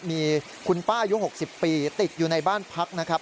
มีคุณป้ายุ๖๐ปีติดอยู่ในบ้านพักนะครับ